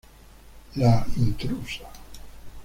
La intrusa.